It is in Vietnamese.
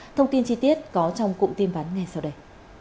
thông tin chi tiết có trong cụm tin vắn ngay sau đây